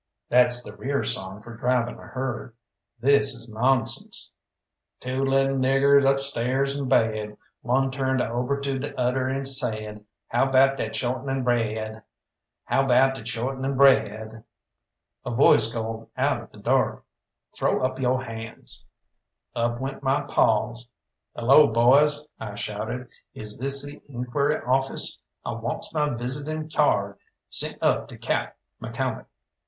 That's the rear song for driving a herd. This is nonsense: "Two little niggers upstairs in bed One turned ober to de oder and said: 'How 'bout dat short'nin' bread? How 'bout dat short'nin' bread?'" A voice called out of the dark, "Throw up yo' hands!" Up went my paws. "Hello, boys," I shouted, "is this the inquiry office? I wants my visitin' cyard sent up to Cap McCalmont."